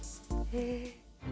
へえ。